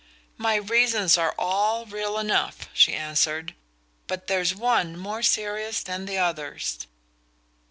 "My reasons are all real enough," she answered; "but there's one more serious than the others."